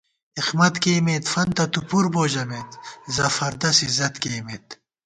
اېخمت کېئیمېت، فنتہ تُو پُر بو ژمېت، زفردس عزت کېئیمېت